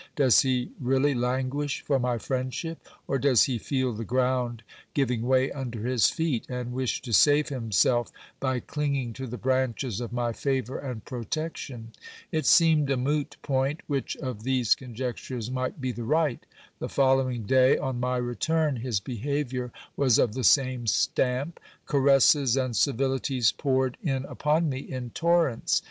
Does he really languish for my friendship? or does he feel the ground giving way under his feet, and wish to save himself by clinging to the branches of my favour and protection? It seemed a moot point, which of these conjectures might be the right. The following day, on my return, his behaviour was of the same stamp ; caresses and civilities poured in upon me in torrents.